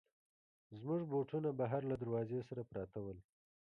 زموږ بوټونه بهر له دروازې سره پراته ول.